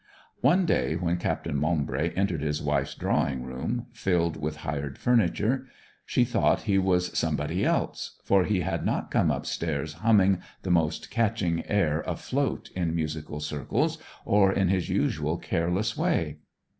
One day when Captain Maumbry entered his wife's drawing room, filled with hired furniture, she thought he was somebody else, for he had not come upstairs humming the most catching air afloat in musical circles or in his usual careless way.